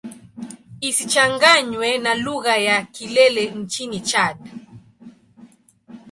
Isichanganywe na lugha ya Kilele nchini Chad.